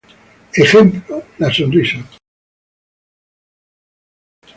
Ejemplo: la sonrisa.